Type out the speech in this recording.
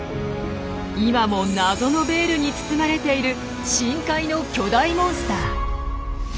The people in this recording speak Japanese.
今も謎のベールに包まれている深海の巨大モンスター。